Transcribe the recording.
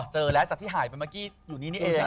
เจอแล้วจากที่หายไปเมื่อกี้อยู่นี้นี่เอง